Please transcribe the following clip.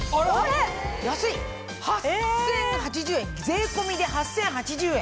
税込みで８０８０円。